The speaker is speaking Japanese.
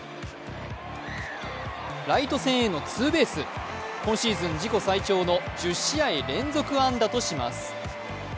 ライト線へのツーベース、今シーズン自己最長の１０試合連続安打とします。